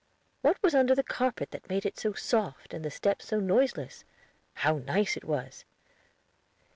What was under the carpet that made it so soft and the steps so noiseless? How nice it was!